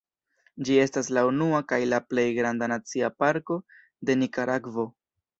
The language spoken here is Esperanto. Ĝi estas la unua kaj la plej granda nacia parko de Nikaragvo.